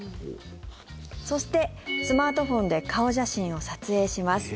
そして、スマートフォンで顔写真を撮影します。